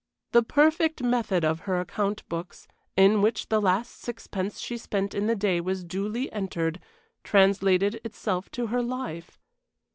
The perfect method of her account books, in which the last sixpence she spent in the day was duly entered, translated itself to her life.